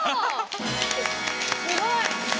すごい。